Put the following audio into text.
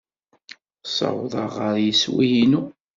Ssawḍeɣ ɣer yeswi-inu.